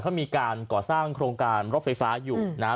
เขามีการก่อสร้างโครงการรถไฟฟ้าอยู่นะฮะ